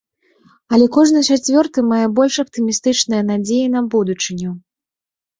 Але кожны чацвёрты мае больш аптымістычныя надзеі на будучыню.